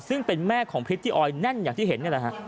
ซึ่งเป็นแม่หายได้แน่นอย่างที่เห็น